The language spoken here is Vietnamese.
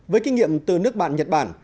với kinh nghiệm từ nước bạn nhật bản